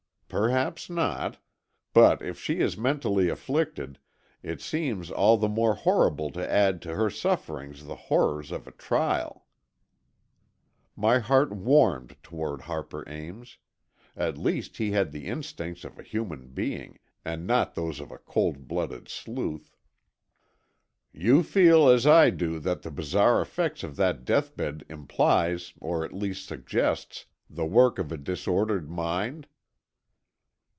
"Perhaps not. But if she is mentally afflicted, it seems all the more horrible to add to her sufferings the horrors of a trial." My heart warmed toward Harper Ames. At least, he had the instincts of a human being, and not those of a cold blooded sleuth. "You feel, as I do, that the bizarre effects of that deathbed implies, or at least suggests, the work of a disordered mind?"